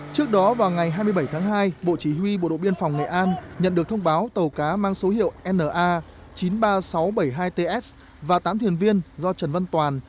trước đó vào ngày hai mươi bảy tháng hai bộ chỉ huy bộ đội biên phòng nghệ an nhận được thông báo tàu cá mang số hiệu na chín mươi ba nghìn sáu trăm bảy mươi hai ts và tám thuyền viên do trần văn toàn